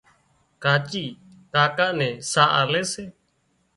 ڪاچي ڪاڪا نين ساهَه آلي سي